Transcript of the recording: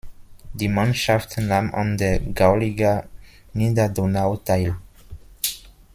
Die Mannschaft nahm an der "Gauliga Niederdonau" teil.